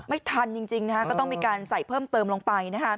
ไม่ทันจริงก็ต้องมีการใส่เพิ่มเติมลงไป